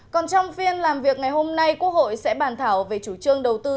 còn trong phiên làm việc ngày hôm nay quốc hội sẽ bàn thảo về chủ trương đầu tư